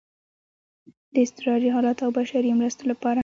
د اضطراري حالاتو او بشري مرستو لپاره